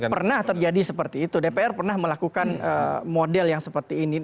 pernah terjadi seperti itu dpr pernah melakukan model yang seperti ini